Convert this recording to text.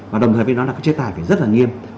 và đồng thời với đó là các chế tài phải rất là nghiêm